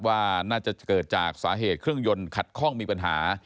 ว่าน่าจะเกิดจากสาเหตุเครื่องยนต์ขัดข้องมีปัญหา